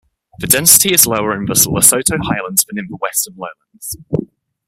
The density is lower in the Lesotho Highlands than in the western lowlands.